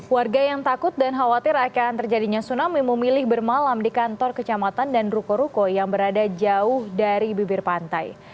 warga yang takut dan khawatir akan terjadinya tsunami memilih bermalam di kantor kecamatan dan ruko ruko yang berada jauh dari bibir pantai